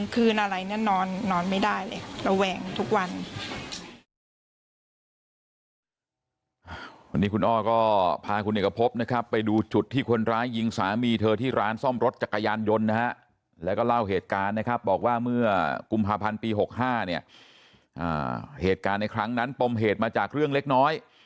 กลางคืนอะไรนั้นนอนไม่ได้เลย